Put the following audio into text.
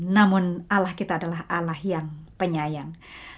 namun allah kita adalah allah yang penyayang